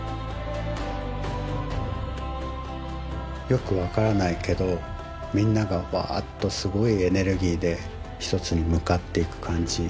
よく分からないけどみんながわっとすごいエネルギーで一つに向かっていく感じ。